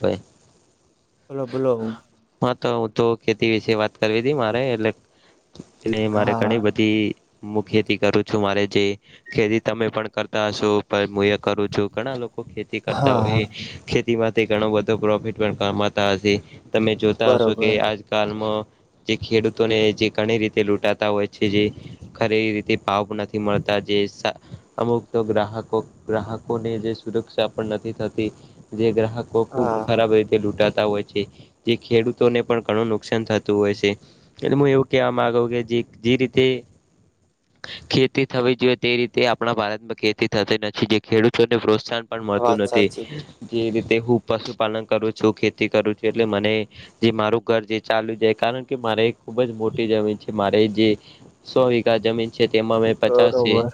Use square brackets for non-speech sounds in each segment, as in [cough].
તો એ. હલો બોલો. હા તો હું તો ખેતી વિશે વાત કરવી હતી મારે એટલે એ મારે હા ઘણી બધી હું ખેતી કરું છું મારે જે ખેતી તમે પણ કરતા હશો પણ હું એ કરું છું ઘણા લોકો ખેતી કરતા હા હોય છે ખેતી માંથી ઘણું બધો પ્રોફિટ પણ કમાતા હશે તમે જોતા હશો કે બરોબર આજકાલમાં જે ખેડૂતોને જે ઘણી રીતે લૂંટાતા હોય છે જે ખરી રીતે ભાવ નથી મળતા જે અમુક તો ગ્રાહકો ગ્રાહકો ને જે સુરક્ષા પણ નથી થતી જે ગ્રાહક ખૂબ હા ખરાબ રીતે લૂંટાતા હોય છે જે ખેડૂતોને પણ ઘણું નુકસાન થતું હોય છે એ હું એવું કહેવા માગ કે જે જે રીતે ખેતી થવી જોઈએ તે રીતે આપણા ભારતમાં ખેતી થતી નથી જે ખેડૂતોને પ્રોત્સાહન પણ વાત મળતું નથી સાચી જે રીતે હું પશુપાલન કરું છું ખેતી કરું છું એટલે મને જે મારું ઘર જે ચાલુ જાય કારણ કે મારે ખુબ જ મોટી જમીન છે મારે જે સો વીઘા જમીન છે તેમાં મે પચાસી બરોબર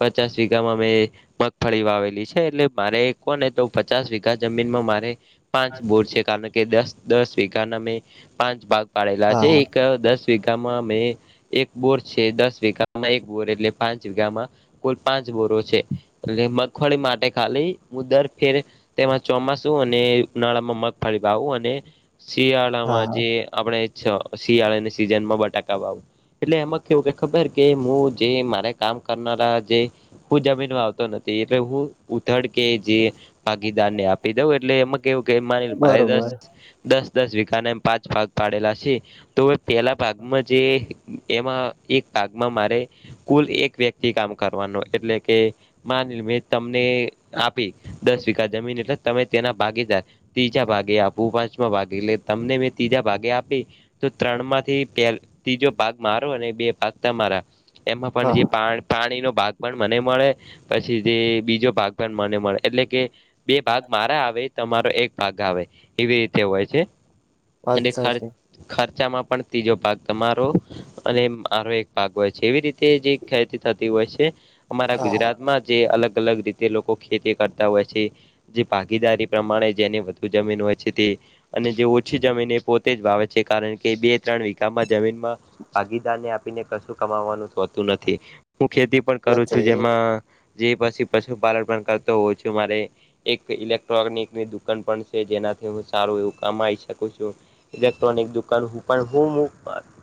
પચાસ વીઘામાં મેં મગફળી વાલી છે એટલે મારે કોને તો પચાસ વીઘા જમીન માં પાંચ બોર છે કારણ કે દસ દસ વિઘાના મેં પાંચ ભાગ પાડેલા હા છે હા એક દસ વઘામાં મેં એક બોર છે દસ વીઘામાં એક બોર એટલે પાંચ વિીઘામાં કુલ પાંચ બોરો છે એટ મગફળી માટે ખાલી હું દર ફેર તેમાં ચોમાસા અને ઉનાળામાં મગફાળી વાવું અને શિયાળામાં હા જે આપણે શિયાળાની સીઝન માં બટાકા વાવું એટલે એમાં કેવું કે ખબર કે હું જે મારે કામ કરનારા જે હું જમીનમાં વાવતો નથી એટલે હું ઉથડ કે જે ભાગીદાર ને આપી દઉં એટલે એમાં કેવું કે માની મારે દસ બરોબર દસ દસ વઘાના એમ પાંચ ભાગ પાડેલા છે તો પેલા ભાગમાં જે એમાં એક ભાગમાં મારે કુલ એક વ્યક્તિ કામ કરવાનો એટલે કે માની મેં તમને આપી દસ વીઘા જમીન એટલે તમે તેના ભાગીદાર ત્રીજા ભાગે આપું પાંચમા ભાગે એટલે તમને મેં ત્રીજા ભાગે આપી તો ત્રણમાંથી પ ત્રીજો ભાગ મારો અને બે ભક તમારા એમાં પણ હા જે પા પાણીનો ભાગ પણ મને મળે પછી જે બીજો ભાગ પણ મને મળે એટલે કે બે ભાગ મારા આવે તમારો એક ભાગ આવે એવી રીતે હોય છે વાત અને ખર્ચ સાચી ખર્ચામાં પણ ત્રીજો ભાગ તમારો અને મારો એક ભાગ હોય છે એવી રીતે જે ખેતી થતી હોય છે અમારા હા ગુજરાતમાં જે અલગ અલગ રીતે લોકો ખેતી કરતા હોય છે જે ભાગીદારી પ્રમાણે જેની વધુ જમીન હોય છે તે અને જે ઓછી જમીન એ પોતે જ વાવે છે કારણ કે બે ત્રણ વીઘામાં જમીનમાં ભાગીદાર ને આપીને કશું કમાવાનું હોતું નથી હું ખેતી પણ કરું છું નથી જેમાં જે પછી પશુપાલન પણ કરતો હોઉં છું મારે એક ઇલેક્ટ્રોનિકની દુકાન પણ છે જેનાથી હું સારું એવું કમાઈ શકું છું ઇલેક્ટ્રોનિક દુકાન હું પણ હું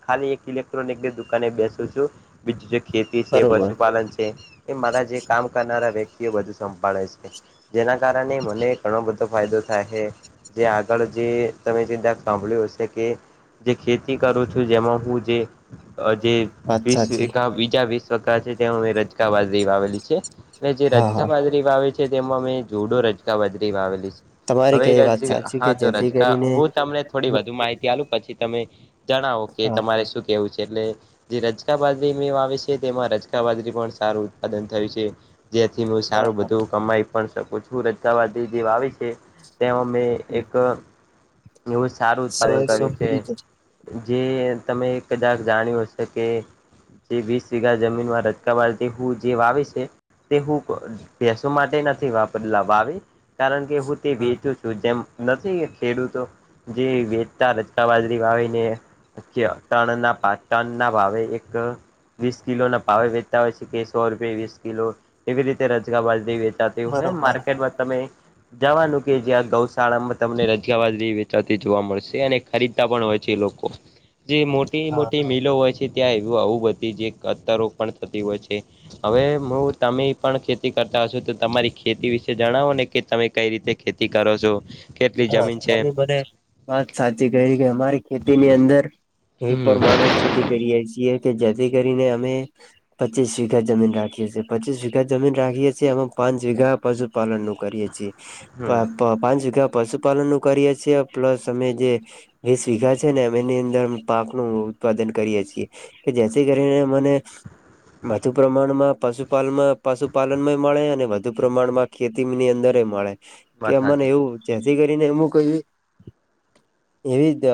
ખાલી એક ઇલેક્ટ્રોનિક દુકાને બેસું છું બીજું જે ખેતી છે બરોબર પશુપાલન છે એ મારા જે કામ વ્યક્તિઓ બધુ સંભાળે છે જેના કારણે મને ઘણો બધો ફાયદો થાય છે જે આગળ જે તમે ચિતા સાંભળ્યું હશે કે જે ખેતી કરું છું જેમાં હું જે જે વાત વિશ સાચી બીજા વિશ્વ છે અ રજકાવા આવેલી છે. જે હા રજગા હા બાજરી વાવે છે તેમાં મેં જડો રજગા બાજરી વાવેલી છે. તમારી હવે કેવી વાત રજ સાચી હા કે તો જેથી રજ કરીને હું તમને થોડી વધુ માહિતી આપલું પછી તમે. જણાવો કે હા તમારે શું કેવું છે એટલે. જે રજકા બાજરી મે આવે છે તેમાં રજકા બાજરી પણ સારું ઉત્પાદન થયું છે જેથી હું સારું હા બધું કમાઈ પણ શકું છું રાવાદી જે આવે છે તેમે એક નવું સારું સો ઉત્પાદન એ સો કર્યું છે પૂરી કરી જે તમે કદાક જાણ્યું હશે કે જે વીસ વીઘા જમીનમાં રચકાવાળતી હું જે વાવે છે તે હું ભસો માટે નથી વાપરલા વાવે કારણ કે હું તે હા વેચું છ જેમ નથી ખેડૂતો જે વેચતા રચકા બાજરી વાવીને. તણ ના પા તણ ના ભાવે એક. વીસ કિલો ના પાવે વેચતા હોય છે કે સો રૂપે વીસ કિલો એવી રીતે રજગ બાી વેચ. હ બરોબર માર્કેટમાં તમે. જવાનું કે જ્યાં ગૌશાળામાં તમને રજગાવાજ વેચાતી જોવા મળશે અને. ખરીદતા પણ હોય છે એ લોકો જે મોટી હા મોટી મિલો હોય છે. ત્યાં એવું આવું બધી જે કતારોપ પણ થતી હોય છે. હવે હું તમે પણ ખેતી કરતા હશુ તો તમારી. ખેતી વિશે જણાવો ને કે તમે કઈ રીતે ખેતી કરો છો. કેટલી હા જમીન છે તની મને વાત સાચી કરી કે અમારી ખેતીની અંદર. એ હમ પ્રમાણે ખેતી કરીએ છીએ કે જેથી કરીને અમે. પચીસ વીઘા જમીન રાખીએ છીએ પચીસ વીઘા જમીન રાખીએ છીએ એમાં પાંચ વીઘા પશુપાલન નું કરીએ છીએ. હમ પાંચ જગ્યા પશુપાલન નું કરીએ છીએ પ્લસ અમે જે. વીસ વીઘા છે ને એની અંદર પાક નું ઉત્પાદન કરીએે છીએ. કે જેથી કરીને મને. વધુ પ્રમાણમાં પશુપાલનમાં પશુપાલનમાં મળે અને વધુ પ્રમાણમાં. ખેતીની અંદર મળે કે વાત અમને સાચી એવું જેથી કરીને એમું કહ. એવી જ.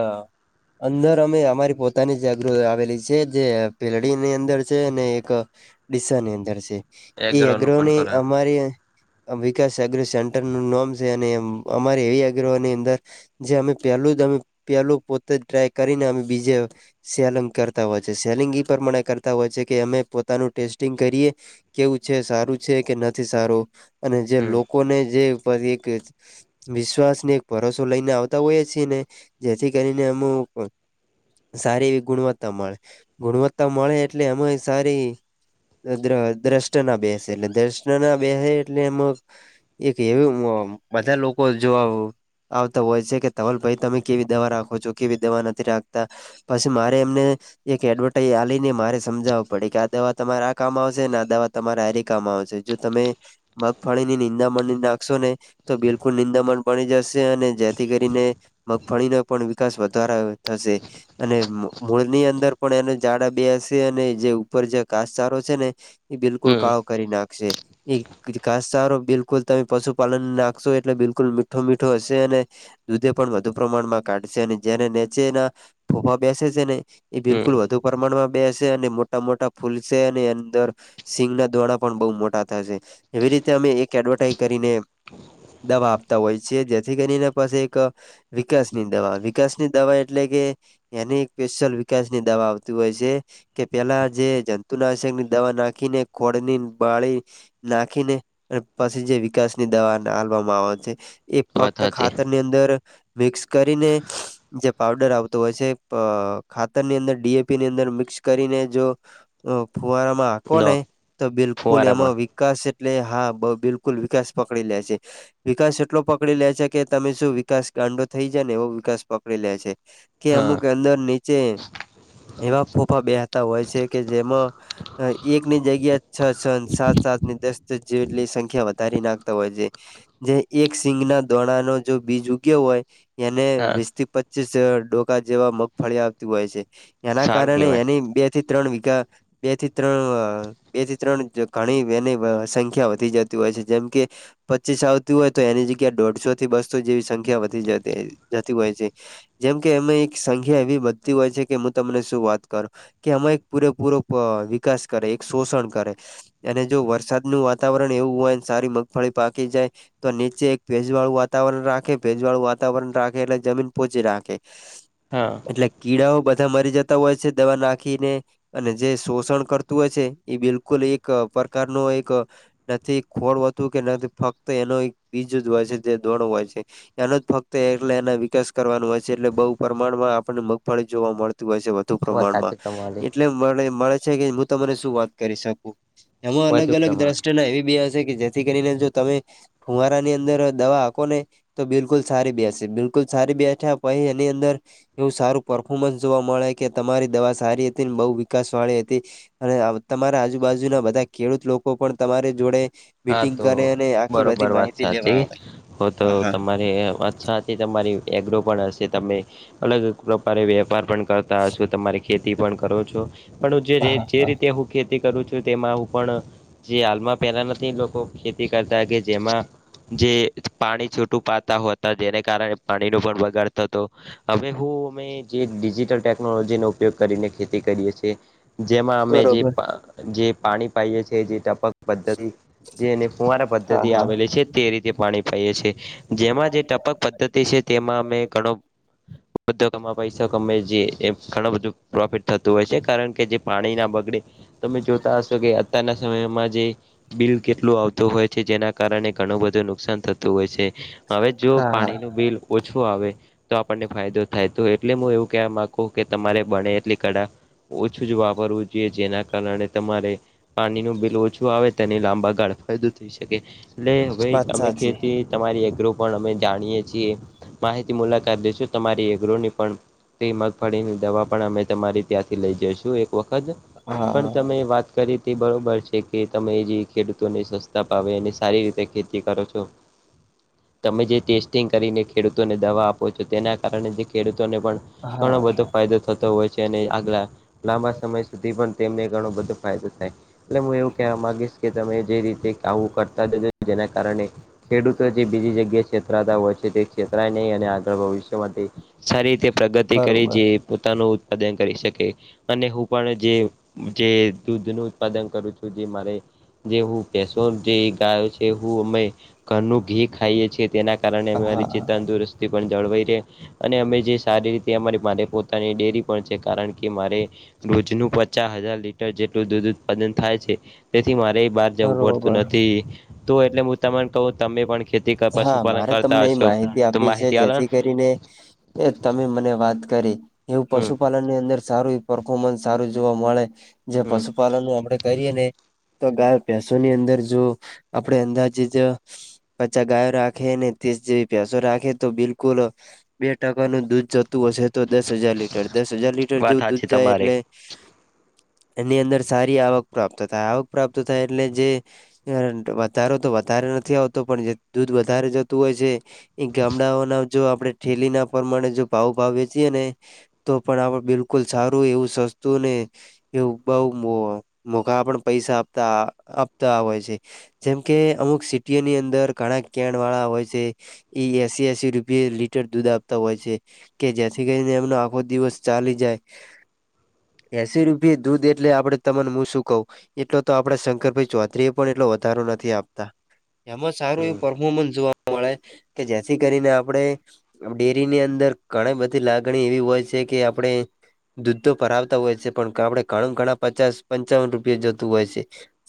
અંદર અમે અમારી પોતાની જાગૃતિ આવેલી છે જે પેલડીની અંદર છે અને એક. દિશાની અંદર છે એ એગ્રો નું પણ એગ્રોની કરે અમારી. આ વિકાસ અગ્ર સેન્ટરનું નામ છે અને અમારે એવી અગ્રહોની અંદર. જે અમે પેલું જ અમે પેલું પોતે જ ટ્રાય કરીને અમે બીજે. સેલિંગ કરતા હોય છે સેલિંગ પ્રમાણે કરતા હોય છે કે અમે પોતાનું ટેસ્ટિંગ કરીએ. કેવું છે સારું છે કે નથી સારું. અને જે હમ લોકોને જે પ એક. વિશ્વાસને એક ભરોસો લઈને આવતા હોઈ છીએ ને જેથી કરીને અમુ. સારી એવી ગુણવત્તા મળે ગુણવત્તા મળે એટલે અમે સારી. દ્રષ્ટ ના બેસે એટલે દ્રષ્ટ ના બેસે એટલે એમ. એક એવી બધા લોકો. જોવા આવતા હોય છે કે તવલ ભાઈ તમે કેવી દવા રાખો છો કેવી દવા નથી રાખતા. પછી મારે એમને. એક એડવર્ટાઈઝ આવીલી ને મારે સમજાવું પડે કે આ દવા તમારે આ કામ આવશે ને આ દવા. તમારા હરિકમાં આવશે જો તમે મગફાળી ની નિંદા મને નાખશો ને તો બિલકુલ. ુ નિંદમન બની જશે અને જેથી કરીને મગફળીનો પણ વિકાસ વધારો થશે. અને મૂળની અંદર પણ એના જાઝડા બે હશે અને જે ઉપર જે કાસચારો છે ને. એ બિલકુલ હમ કાળો કરી નાખશે એ ઘાસ સારો બિલકુલ તમે પશુપાલન નાખશો. એટલે બિલકુલ મીઠો મીઠો હશે અને. દૂધે પણ વધુ પ્રમાણમાં કાઢશે અને જેને નીચેના ફફા બેસે છે ને. એ હમ બિલકુલ વધુ પ્રમાણમાં બેસે અને મોટા મોટા ફૂલ છે અને અંદર. સિંગ ના દોરણા પણ બહ મોટા થશે એવી રીતે અમે એક એડવર્ટાઈઝ કરીને. દવા આપતા હોય છે જેથી કરીનેને પાસે એક. વિકાસ ની દવા વિકાસ ની દવા એટલે કે એની એક સ્પેશિલ વિકાસની દવા આવતી હોય છે. કે પેલા જે જંતુ નાશક ની દવા નાખીને ખોળની બાળી નાખીને પછી જે વિકાસ ની દવા ના. આવે છે એ વાત ફક્ત સાચી ખાતર ની અંદર મિક્સ કરીન. જે પાવડર આવતો હોય છે ખાતર ની અંદર ડીએપી ની અંદર મિક્સ કરીને જો. ઓ ફવારામાં. આખો નને નો તો બિલકુલ એમાં ફુવારામાં વિકાસ એટલે હા બિલકુલ વિકાસ પકડી લે છે. વિકાસ એટલો પકડી લે છે કે, તમે શું વિકાસ ગાંડો થઈ જાય ને, એવો વિકાસ પકડી લે છે. કે હા અમુક અંદર ની જે એવા ફોફા બેહતા હોય છે કે જેમાં એકની જગ્યા છ છ સાત સાત ની દસ જેટલી સંખ્યા વધારી નાખતા હોય છે. જે એક સિંગ ના દોણા ન જો બીજ ઉ ગયો હોય એને હા વીસ થી પચ ડોકા જેવા મગફળી આવતું હોય છે. એના સારું કારણે કેવાય એની બે થી ત્રણ વીઘા બે થી ત્રણ બે થી ત્રણ ઘણી બેની સંખ્યા વધી જતી હોય છે જેમ કે પચીસ આવતી હોય તો એની જગ્યા દોઢસો થી બસો જેવી સંખ્યા વધી જતી જતી હોય છે. જેમ કે એમાં એક સંખ્યા એવી બધતી હોય છે કે હું તમને શું વાત કરું? કે એમાં એક પૂરેપૂરો વિકાસ કરે, એક શોષણ કરે, અને જો વરસાદ ન વાતાવરણ એવું હોય સારી મગફળી પાકી જાય. તો નીચે એક ભેજ વાળું વાતાવરણ રાખે ભેજ વાળું વાતાવરણ રાખે એટલે જમીન પોહોંચી રાખે. હ હા એટલે કીડાઓ બધા મરી જતા હોય છે દવા નાખીને અને જે શોષણ કરતું હોય છે. એ બિલકુલ એક પ્રકારનો એક નથી ખોળતું કે નથી ફક્ત એનો એક બીજ જ હોય છે. જે દોડો હોય છે. એનો જ ફક્ત એલે એના વિકાસ કરવાનું હોય છે એટલે બહુ પ્રમાણમાં આપણને મગફળી જોવા મળતી હોય છે. વાત પ્રમાણમાં સાચી તમારી એટલે મળે છે કે હું તને શું વાત કરી શકું. એમાં અલગ વધુ અલગ પ્રમાણ દ્રષ્ટ ના એવી બી હશે કે.? જેથી કરીને જો તમે ફુવારા ની અંદર દવા આપો ને તો બિલકુલ સારી બેસે બિલકુલ સારી બેઠ્યા પછ એની અંદર એવું સારું પફોર્મન્સ જોવા મળે કે તમારી દવા સારી હતી ને બહ વિકાસ વાળી હતી. અને તમારા આજુબાજુના બધા ખેડૂત લોકો પણ તમારી જોડે હા મીટિંગ તો કરે. અને આખી બધી બરોબર વાત માહિતી લેવા સાચી આવે હો તો હા હા તમારી વાત સાચ. થી તમારી એગ્રો પણ હશે તમે અલગ પ્રકારે વેપાર પણ કરતા હશો તમારી ખેતી પણ કરો છો પણ હું જે હા જે હા રીતે હું ખેતી કરું છું તેમાં હું પણ જે હાલમાં પેલા નથી લોકો ખેતી કરતા કે જેમાં જે પાણી છૂટું પાતા હો હતા જેને કારણે પાણીનો પણ બગાડ થતો. હવે હું અમે જે ડિજિટલ ટેકનોલોજીનો ઉપયોગ કરીને ખેતી કરીએ છીએ. જેમાં અમે જે બરોબર જે પાણી પાઇએ છીએ જે ટપક પદ્ધતિ જેને કુંવારા હા પદ્ધતિ હા આવેલી છે. તે રીતે પાણી પાાઈએ છીએ જેમાં જે ટપક પદ્ધતિ છે તેમાં અમે ઘણો બધોમાં પૈસા કમે છે એમ ઘણું બધું પ્રોફિટ થતું હોય છે કારણ કે જે પાણીના બગડે તમે જોતા હશો કે. આવતાના સમયમાં જે બિલ કેટલું આવતું હોય છે જેના કારણે ઘણું બધું નુકસાન થત હોય છે હવે જો હા હા પાણી નું બિલ ઓછું આવે તો આપણને ફાયદો થાય તો. એટલે હું એવું કહેવા મામાંગું કે તમારે બણે એટલી કઢા ઓછું જ વાપરવું જોઈએ જેના કારણે તમારે પાણીનુંું બિલ ઓછું આવે તેની લાંબા કળ ફાયદો થઈ શકે એટલે હવે વાત અમે સાચી ખેતી તમારી એગ્રો પણ અમે જાણીએ છીએ. માહિતી મુલાકાત લઈશું તમારી એગ્રોની પણ. તે મગફળીની દવા પણ અમે તમારી ત્યાંથી લઈ જઈશું એક વખત. પણ હા તમે વાત કરી તે બરોબર છે કે તમે જે ખેડૂત અને સસ્તા ભાવે અને સારી રીતે ખેતી કરો છો તમે જે ટેસ્ટિંગ કરીને ખેડૂતોને દવા આપો છો તેના કારણે જે ખેડૂતોને પણ ઘણો હા બધો ફાયદો થતો હોય છે અને આગલા લાંબા સમય સુધી પણ તેમને ઘણો બધો ફાયદો થાય એટલે હું એવું કેવા માગીશ કે તમે જે રીતે આવું કરતા જ નથી જેના કારણે ખેડૂતો જે બીજી જગ્યાએ છેતરાતા હોય છે તે છેતરાય નહીં અને આગળ ભવિષ્યમાંથી, સારી રીતે પ્રગતિ કરી બરોબર જે પોતાનું ઉત્પાદન કરી શકે. અને હું પણ જે જે દૂધનું ઉત્પાદન કરું છું જે મારે ગેહુ કેશોદ જે એક તા છે હું અમે ઘરનું ઘી ખાઈએ છીએ તેના કારણે અમે રીતે હા તંદુરસ્ત હિતી પણ જળવાઈ રહે. અને અમે જે સારી રીતે અમારી માટે પોતાની ડેરી પણ છે. કારણ કે મારે રોજનું પચા હજાર લીટર જેટલું દૂધ ઉત્પાદન થાય છે, તેથી મારે બહાર જવું પડતું બરોબર નથી. તો એટલે હું તમન કહું તમે પણ ખેતી હા પશુપાલન મારે કરતા તમને હશો તો માહિતી આલો ન. યાર તમે મને વાત કરી, એવું હમ પશુપાલનની અંદર સારુંય પરફોર્મન્સ સારું જોવા મળે, જે હમ પશુપાલનની આપડે કરીએને, તો ગાયો ભેસોની અંદર જો આપડે અંદાજીજ પચા ગાયો રાખે ને, તીસ જેવી ભેંસો રાખે તો બિલકુલ બે ટકાનું દૂધ જતું હશે તો, દસ હજાર લીટર દસ હજાર લીટર વાત જેવું દૂધ હાચી જાય તમારી એટલે એની અંદર સારી આવક પ્રાપ્ત થાય. આવક પ્રાપ્ત થાય એટલે જે [unintelligible] વધારો તો વધારે નથી આવતો પણ જે દૂધ વધારે જતું હોય છે એ ગામડાઓના જો આપડે ઠેલીના પરમાણે જો ભાવ ભાવએ વેચીએ ને તો પણ આવું બિલકુલ સારું એવું સસ્તું ને એવું બઉ અ મોઘા પણ પૈસા આપતા આપતા હોય છે. જેમ કે અમુક સિટીઓની અંદર ઘણા કેનવાળા હોય છે એ એસી એસી રૂપિએ લીટર દૂધ આપતા હોય છે કે જ્યાંથી કરીને એમનો આખો દિવસ ચાલી જાય. એસી રૂપયે દૂધ એટલે આપડ તમન્ન હું શું કહું, એટલો તો આપડા શંકરભાઈ ચૌધરી એ પણ એટલો વધારો નથી આપ તા, એમાં સારું હમ એવું પરફોર્મન્સ જોવા મળે કે જેથી કરીને આપડે ડેરીની અંદર ઘણી બધી લાગણી એવી હોય છે કે આપણે દૂધ તો ભરાવતા હોય છે પણ આપડે ઘણા ઘણા પચાસ પંચાવન રૂપિયે જતું હોય છે.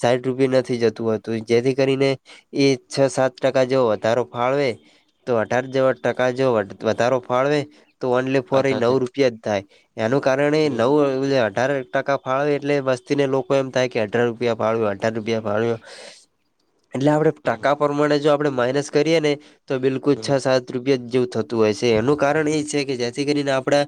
સાહીઠ રૂપિયે નથી જતું હોતું જેથી કરીને એ છ સાત ટકા જેવો વધારો ફાળવે તો અઢાર જેવા ટકા જો વધ વધારો ફાળવે તો ઓન્લી ફોર વાત એ હાચી નવ રૂપિયા જ થાય એનું કારણે હમ નવ એવિયા તારણ ટકા ફાવે એટલે બસ ને લોકો એમ થાય કે અઢાર રૂપિયા ફાળવ્યો અઢાર રૂપિયા ફાળવ્યો એટલે આપડે હમ ટકા પ્રમાણે જો આપણે માઈનસ કરીએ ને તો બિલકુલ હમ છ સાત રપિયા જ જેવું થતું હોય છે, એનું કારણ એ છે કે જેથી કરીને આપડા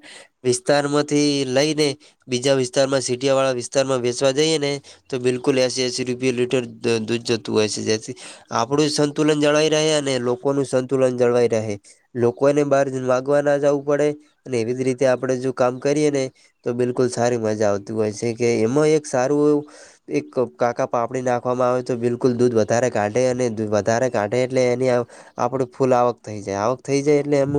વિસ્તારમાંથી લઈને બીજા વિસ્તારમાં સીટીવાળા વિસ્ સ્તારમાં વેચવા જઈએને તો બિલકુલ એસી એસી રૂપિયે લીટર દ દૂધ જતું હોય છે જેથી આપડુંયે સંતુલન જળવાઈ રહે અને લોકોનું સંતુલન જળવાઈ રહે. લોકોને બહાર જ માગવા ના જવું પડે અને એવી જ રીતે આપડે જો કામ કરીએ ને, તો બિલકુલ સારી મજા આવતી હોય છે. કે એમાં એક સારું એવું એક કાકા પાપડી નાખવામાં આવે તો બિલકુલ દૂધ વધારે કાઢે અને વધારે કાઢે એટલે એની આ આપડું ફૂલ આવક થઈ જાય. આવક થઈ જાય એટલે એમ